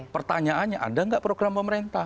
pertanyaannya ada nggak program pemerintah